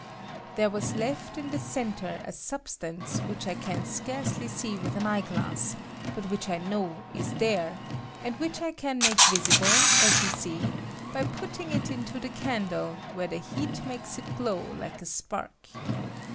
There was left in the centre a substance which I can scarcely see with an eye glass, but which I know is there, and which I can make visible, as you see, by putting it into the candle where the heat makes it glow like a spark.